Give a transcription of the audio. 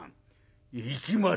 行きますよ